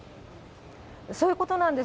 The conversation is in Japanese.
そういうことなんです。